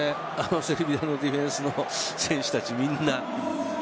セルビアのディフェンスの選手たち、みんな。